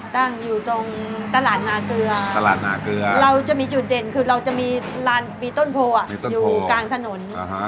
ตั้งอยู่ตรงตลาดนาเกลือเราจะมีจุดเด่นคือเราจะมีต้นโพลอยู่กลางถนน